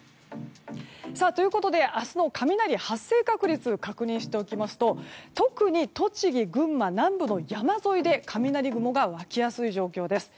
ということで明日の雷発生確率を確認しますと特に栃木、群馬、南部の山沿いで雷雲が湧きやすい状況です。